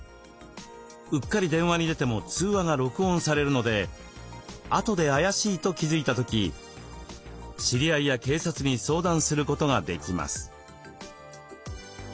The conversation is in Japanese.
うっかり電話に出ても通話が録音されるのであとで怪しいと気付いた時知り合いや警察に相談することができます。